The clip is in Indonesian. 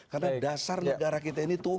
karena dasar negara kita ini tuhan